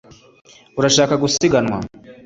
urashaka gusiganwa